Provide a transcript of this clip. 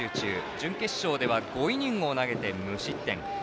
準決勝では５イニングを投げて無失点。